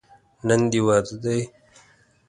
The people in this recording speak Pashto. نن دې واده دی.